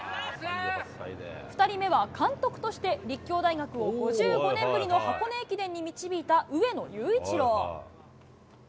２人目は監督として、立教大学を５５年ぶりの箱根駅伝に導いた、上野裕一郎。